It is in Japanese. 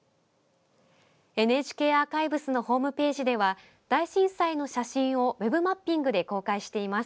ＮＨＫアーカイブスのホームページでは大震災の写真をウェブマッピングで公開しています。